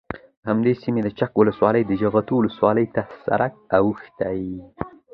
له همدې سیمې د چک له ولسوالۍ د جغتو ولسوالۍ ته سرک اوښتی،